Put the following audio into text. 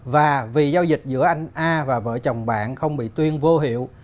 và vì giao dịch giữa anh a và vợ chồng bạn không bị tuyên vô hiệu